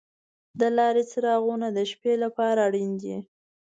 د لارې څراغونه د شپې لپاره اړین دي.